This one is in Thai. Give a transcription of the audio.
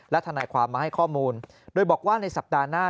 ทนายความมาให้ข้อมูลโดยบอกว่าในสัปดาห์หน้า